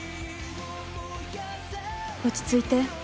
落ち着いて。